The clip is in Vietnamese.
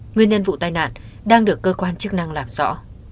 nguyên nhân vụ tai nạn đang được cơ quan chức năng làm rõ